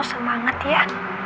tapi sekarang kamu semangat ya